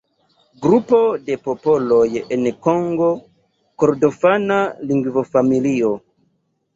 Grupo de popoloj en Kongo-Kordofana lingvofamilio.